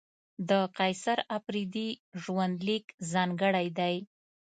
د قیصر اپریدي ژوند لیک ځانګړی دی.